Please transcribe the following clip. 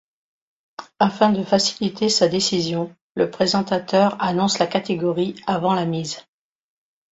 Afin de faciliter sa décision, le présentateur annonce la catégorie avant la mise.